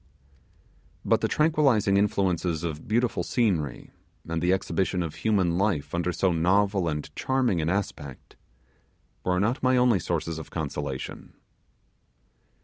But the tranquillizing influence of beautiful scenery, and the exhibition of human life under so novel and charming an aspect were not my only sources of consolation.